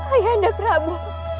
ayah anda prabu